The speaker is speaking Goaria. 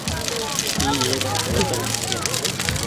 اي ايڪ بدڪ ڇي۔